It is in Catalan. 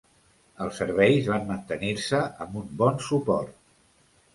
Els serveis van mantenir-se amb un bon suport.